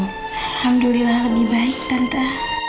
alhamdulillah lebih baik tante